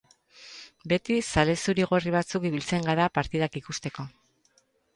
Beti zale zuri-gorri batzuk biltzen gara partidak ikusteko.